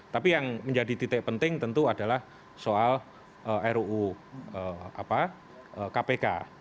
tapi yang menjadi titik penting tentu adalah soal ruu kpk